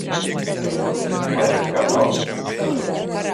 Vai esi gatavs?